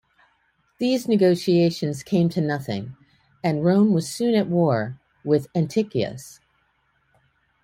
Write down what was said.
These negotiations came to nothing and Rome was soon at war with Antiochus.